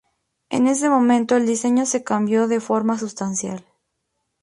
En ese momento el diseño se cambió de forma sustancial.